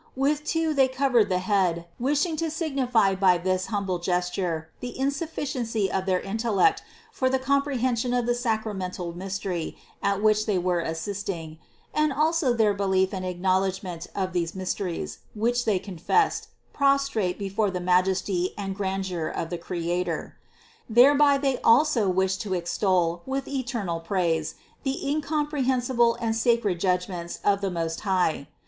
With two they covered the head, wishing to signify by this humble gesture the in sufficiency of their intellect for the comprehension of the sacramental mystery at which they were assisting, and also their belief and acknowledgment of these mysteries, which they confessed, prostrate before the majesty and grandeur of the Creator. Thereby they also wished to extol with eternal praise the incomprehensible and sacred judgments of the Most High.